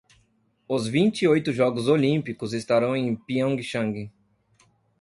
Os vinte e oito Jogos Olímpicos estarão em Pyeongchang.